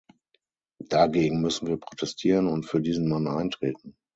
Dagegen müssen wir protestieren und für diesen Mann eintreten!